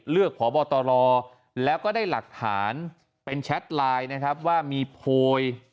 พบตรแล้วก็ได้หลักฐานเป็นแชทไลน์นะครับว่ามีโพย